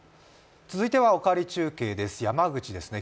続いては「おかわり中継」です、山口ですね。